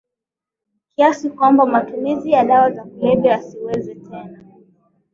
kiasi kwamba matumizi ya dawa za kulevya yasiweze tena